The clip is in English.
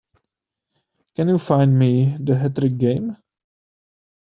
Can you find me the Hectic game?